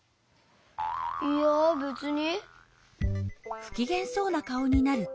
いやべつに。